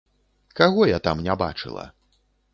Каго я там не бачыла?